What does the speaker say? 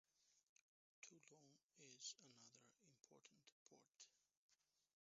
Toulon is another important port.